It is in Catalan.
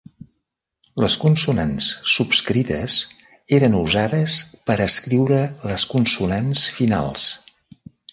Les consonants subscrites eren usades per escriure les consonants finals.